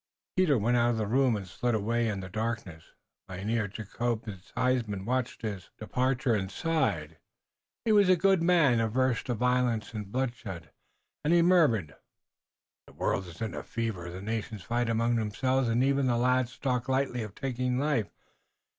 Peter went out of the room and slid away in the darkness. Mynheer Jacobus Huysman watched his departure and sighed. He was a good man, averse to violence and bloodshed, and he murmured: "The world iss in a fever. The nations fight among themselves und even the lads talk lightly of taking life."